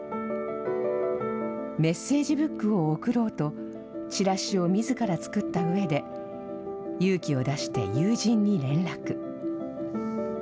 メッセージブックを贈ろうと、チラシをみずから作ったうえで、勇気を出して友人に連絡。